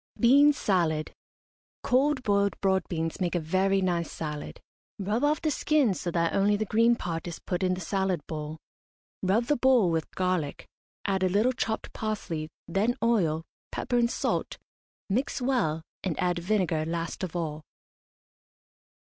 BEAN SALAD. Cold boiled broad beans make a very nice salad. Rub off the skins so that only the green part is put in the salad bowl. Rub the bowl with garlic, add a little chopped parsley, then oil, pepper and salt, mix well, and add vinegar last of all.